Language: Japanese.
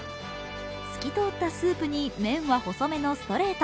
透き通ったスープに麺は細めのストレート。